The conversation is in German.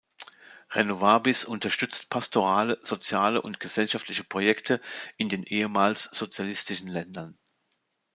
Renovabis unterstützt pastorale, soziale und gesellschaftliche Projekte in den ehemals sozialistischen Ländern.